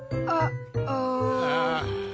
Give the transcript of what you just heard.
ああ。